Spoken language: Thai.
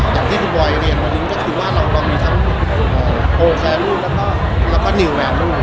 อย่างที่คุณบอยเรียนวันนี้ก็คือว่าเรามีทั้งโปรแฟรูปแล้วก็นิวแวร์ลูก